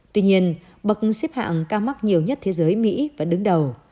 tuy nhiên bậc xếp hạng ca mắc nhiều nhất thế giới mỹ vẫn đứng đầu